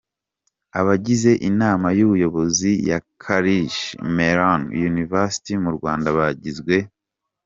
Abagize Inama y’Ubuyobozi ya Carnegie Mellon University mu Rwanda bagizwe :.